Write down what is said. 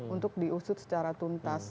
untuk diusut secara tuntas